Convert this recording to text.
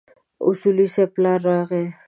اصولي صیب پلار راغی.